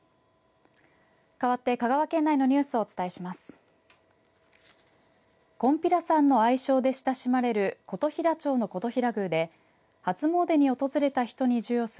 かわって香川県内のニュースをお伝えします。